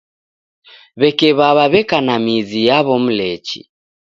W'eke w'aw'a w'eka na mizi yaw'o Mlechi.